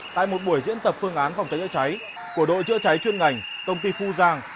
tại một buổi diễn tập phương án phòng chứa cháy của đội chứa cháy chuyên ngành công ty phu giang